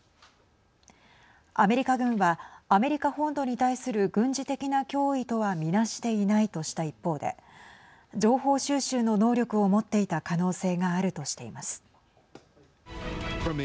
アメリカ軍はアメリカ本土に対する軍事的な脅威とは見なしていないとした一方で情報収集の能力を持っていた可能性があるとしています。